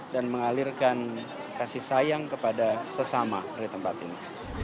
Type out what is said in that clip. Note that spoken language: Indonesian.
dan mengalirkan kasih sayang kepada sesama dari tempat ini